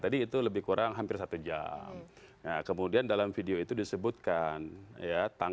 ada apa yang diperlukan